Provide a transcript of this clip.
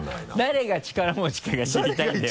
誰が力持ちかが知りたいんだよね